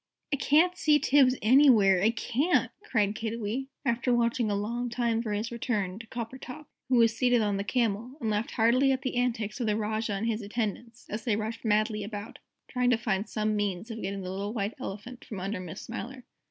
"I can't see Tibbs anywhere, I can't!" cried Kiddiwee, after watching a long time for his return, to Coppertop, who was seated on the Camel and laughing heartily at the antics of the Rajah and his attendants, as they rushed madly about, trying to find some means of getting the little White Elephant from under Miss Smiler.